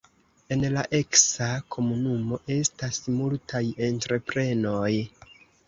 En la eksa komunumo estas multaj entreprenoj.